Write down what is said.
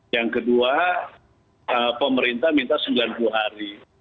yang kedua pemerintah minta sembilan puluh hari